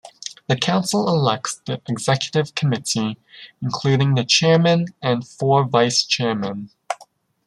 The Council elects the Executive Committee, including the Chairman and four Vice Chairmen.